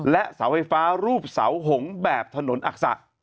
และเสาไฟฟ้ารูปเสาหงแบบถนนอักษะ